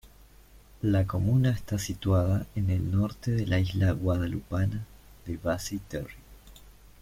La comuna está situada en el norte de la isla guadalupana de Basse-Terre.